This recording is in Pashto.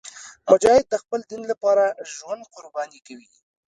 مجاهد د خپل دین لپاره ژوند قرباني کوي.